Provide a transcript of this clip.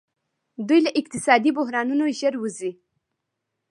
دوی له اقتصادي بحرانونو ژر وځي.